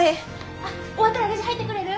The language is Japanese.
あっ終わったらレジ入ってくれる？